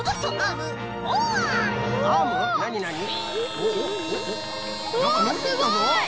おすごい！